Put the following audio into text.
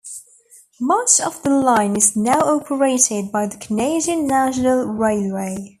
Much of the line is now operated by the Canadian National Railway.